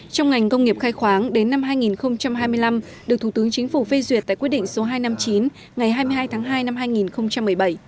trong ngành công nghiệp khai khoáng đến năm hai nghìn hai mươi năm được thủ tướng chính phủ phê duyệt tại quyết định số hai trăm năm mươi chín ngày hai mươi hai tháng hai năm hai nghìn một mươi bảy